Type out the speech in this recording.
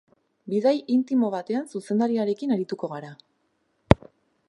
Bidai intimo batean zuzendariarekin arituko gara.